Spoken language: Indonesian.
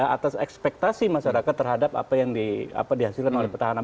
atas ekspektasi masyarakat terhadap apa yang dihasilkan oleh petahana